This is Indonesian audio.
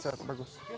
sehat sehat bagus